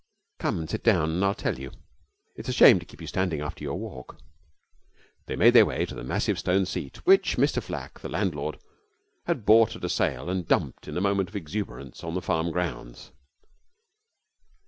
'Come and sit down and I'll tell you. It's a shame to keep you standing after your walk.' They made their way to the massive stone seat which Mr Flack, the landlord, had bought at a sale and dumped in a moment of exuberance on the farm grounds.